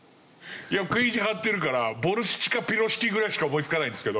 いや食い意地張ってるからボルシチかピロシキぐらいしか思いつかないんですけど。